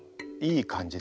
いい感じ。